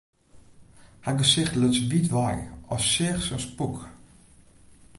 Har gesicht luts wyt wei, as seach se in spûk.